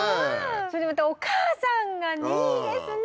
それでまたお母さんがいいですね